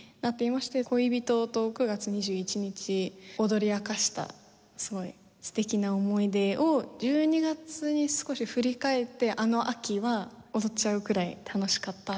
恋人と９月２１日に踊り明かしたすごい素敵な思い出を１２月に少し振り返ってあの秋は踊っちゃうくらい楽しかったという楽しい曲です。